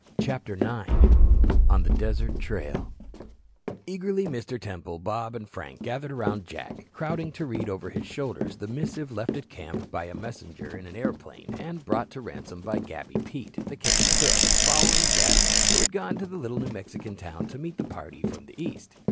CHAPTER IX ON THE DESERT TRAIL Eagerly Mr. Temple, Bob and Frank gathered around Jack, crowding to read over his shoulders the missive left at camp by a messenger in an airplane and brought to Ransome by Gabby Pete, the camp cook, following Jack, who had gone to the little New Mexican town to meet the party from the East.